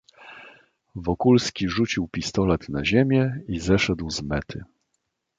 "Wokulski rzucił pistolet na ziemię i zeszedł z mety."